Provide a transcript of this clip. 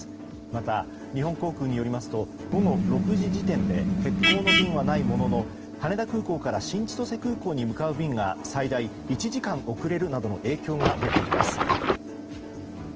また、日本航空によりますと午後６時時点で欠航の便はないものの羽田空港から新千歳空港に向かう便が最大１時間遅れるなどの影響が出ています。